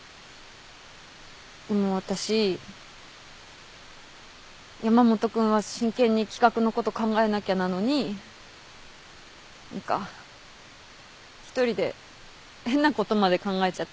でも私山本君は真剣に企画のこと考えなきゃなのに何か一人で変なことまで考えちゃって。